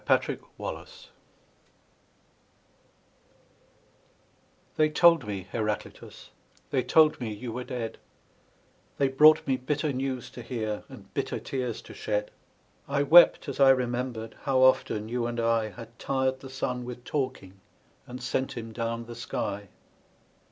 HERACLITUS THEY told me, Heraclitus, they told me you were dead ; They brought me bitter news to hear and bitter tears to shed. I wept as 1 remembered, how often you and I Had tired the sun with talking and sent him down the sky.